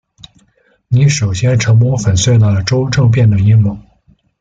你首先成功粉碎了周政变的阴谋。